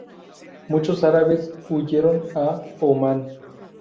Muchos árabes huyeron a Omán.